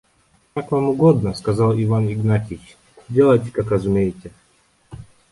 «Как вам угодно, – сказал Иван Игнатьич, – делайте, как разумеете.